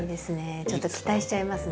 ちょっと期待しちゃいますね。